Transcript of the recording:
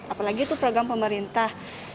apalagi itu program pemerintah